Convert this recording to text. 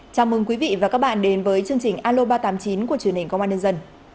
chào mừng quý vị và các bạn đến với chương trình aloba tám mươi chín của truyền hình công an nhân dân